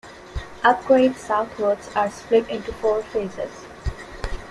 Upgrades southwards are split into four phases.